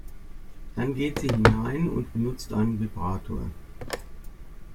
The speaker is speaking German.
Dann geht sie hinein und benutzt einen Vibrator.